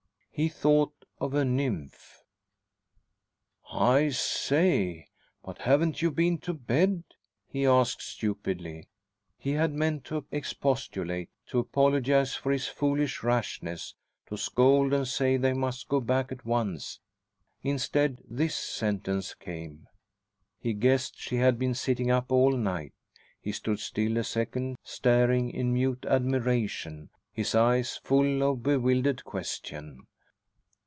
He thought of a nymph. "I say but haven't you been to bed?" he asked stupidly. He had meant to expostulate, to apologise for his foolish rashness, to scold and say they must go back at once. Instead, this sentence came. He guessed she had been sitting up all night. He stood still a second, staring in mute admiration, his eyes full of bewildered question.